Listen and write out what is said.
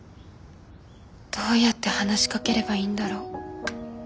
どうやって話しかければいいんだろう。